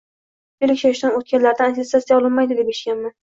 ellik yoshdan o‘tganlardan attestatsiya olinmaydi deb eshitganman.